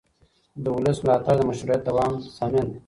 د ولس ملاتړ د مشروعیت دوام ضامن دی